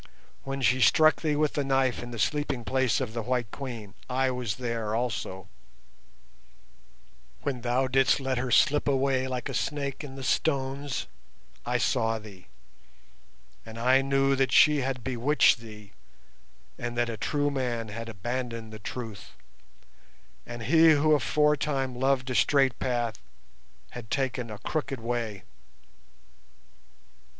When she struck thee with the knife in the sleeping place of the White Queen I was there also; when thou didst let her slip away like a snake in the stones I saw thee, and I knew that she had bewitched thee and that a true man had abandoned the truth, and he who aforetime loved a straight path had taken a crooked way.